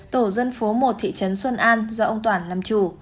tổ dân phố một thị trấn xuân an do ông toản làm chủ